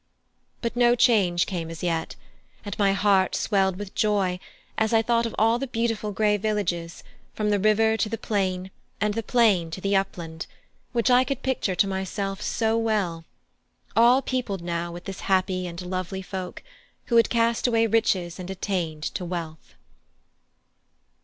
But no change came as yet, and my heart swelled with joy as I thought of all the beautiful grey villages, from the river to the plain and the plain to the uplands, which I could picture to myself so well, all peopled now with this happy and lovely folk, who had cast away riches and attained to wealth.